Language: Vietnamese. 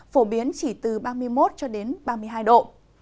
phổ biến chỉ từ ba mươi một cho đến ba mươi hai độ